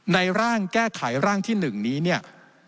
ร่างแก้ไขร่างที่๑นี้เนี่ย